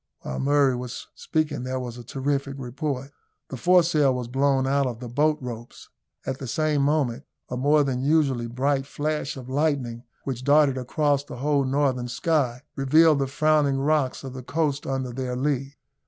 While Murray was speaking there was a terrific report. The foresail was blown out of the bolt ropes. At the same moment a more than usually bright flash of lightning, which darted across the whole northern sky, revealed the frowning rocks of the coast under their lee.